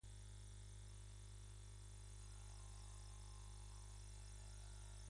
Durante todo el día se celebran misas en honor a la Virgen.